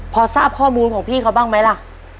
พอทราบข้อมูลของพี่เขาบ้างไหมล่ะ